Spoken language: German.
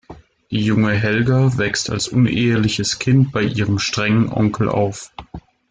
Die junge Helga wächst als uneheliches Kind bei ihrem strengen Onkel auf.